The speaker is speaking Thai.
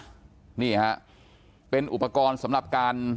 อยู่ดีมาตายแบบเปลือยคาห้องน้ำได้ยังไง